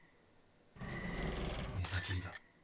寝たきりだ。